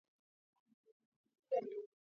ის მედიცინის ინტელექტუალური ბაზაა.